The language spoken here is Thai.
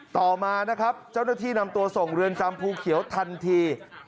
ต่อมานะครับเจ้าหน้าที่นำตัวส่งเรือนจำภูเขียวทันที